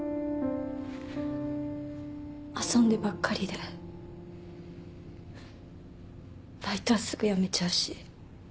遊んでばっかりでバイトはすぐ辞めちゃうし。